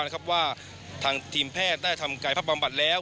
ว่าทางทีมแพทย์ได้ทำกายภาพบำบัดแล้ว